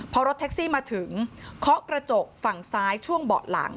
พอรถแท็กซี่มาถึงเคาะกระจกฝั่งซ้ายช่วงเบาะหลัง